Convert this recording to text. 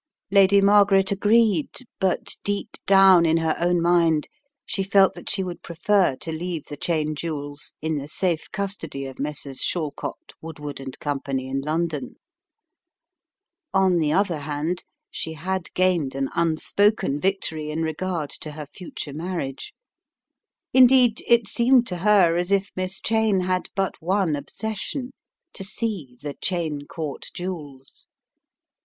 Lady Margaret agreed, but deep down in her own mind she felt that she would prefer to leave the Cheyne jewels in the safe custody of Messrs. Shall cott, Woodward & Company in London. On the other hand, she had gained an unspoken victory in regard to her future marriage. Indeed it seemed to her as if Miss Cheyne had but one obsession: to see the Cheyne Court jewels.